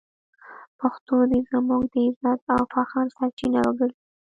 پښتو دې زموږ د عزت او فخر سرچینه وګرځي.